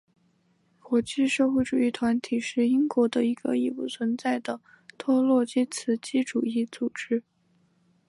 国际社会主义团体是英国的一个已不存在的托洛茨基主义组织。